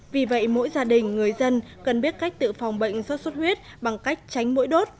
vì vậy mỗi gia đình người dân cần biết cách tự phòng bệnh sốt xuất huyết bằng cách tránh mũi đốt